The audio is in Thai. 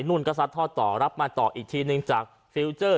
นู่นก็ซัดทอดต่อรับมาต่ออีกทีนึงจากฟิลเจอร์